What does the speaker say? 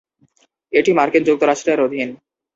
এটি মার্কিন যুক্তরাষ্ট্রের অধীন।